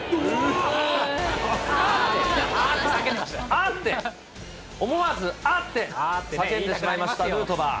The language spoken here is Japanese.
あーって、思わずあー！って叫んでしまいました、ヌートバー。